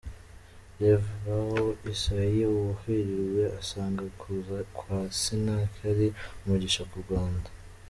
Rev Baho Isaie Uwihirwe asanga kuza kwa Sinach ari umugisha ku Rwanda.